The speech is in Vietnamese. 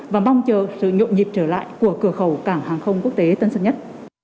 và mong chờ sự nhộn nhịp trở lại của cửa khẩu cảng hàng không quốc tế tân sơn nhất